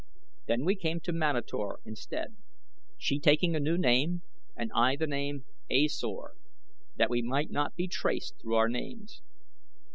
Then we came to Manator instead, she taking a new name and I the name A Sor, that we might not be traced through our names.